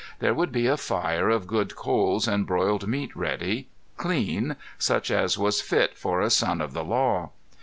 There would be a fire of good coals and broiled meat ready clean such as was fit for a Son of the Law.